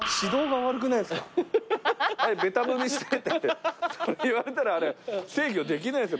「べた踏みして」って言われたらあれ制御できないですよ